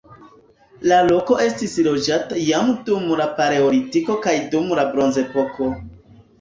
La loko estis loĝata jam dum la paleolitiko kaj dum la bronzepoko.